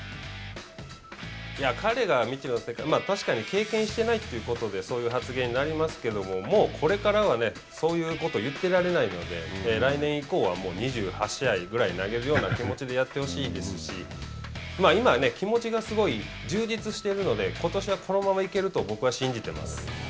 彼が未知の世界確かに経験してないということでそういう発言になりますけどももうこれからはそういうことを言ってられないので来年以降は２８試合ぐらい投げるような気持ちでやってほしいですし今は気持ちがすごい充実しているのでことしは、このままいけると僕は信じてます。